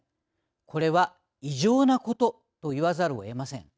これは異常なことといわざるをえません。